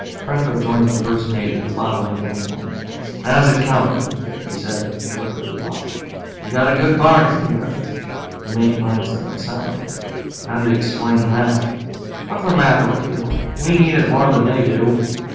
Franco joined the first mate at the bottom of the gangplank. "How's it coming?" he said. He looked at his watch. "We got a good bargain here." The mate glanced at him sourly. "How do you explain that?" "What's the matter with you? We need it more than they do."